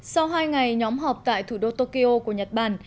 sau hai ngày nhóm họp tại thủ đô tokyo của nhật bản